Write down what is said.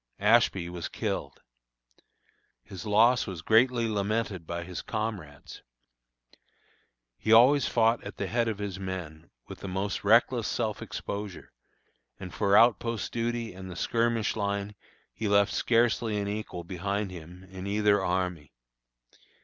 Ashby was killed. His loss was greatly lamented by his comrades. He always fought at the head of his men, with the most reckless self exposure, and for outpost duty and the skirmish line he left scarcely an equal behind him in either army.